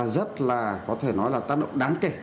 rất là có thể nói là tác động đáng kể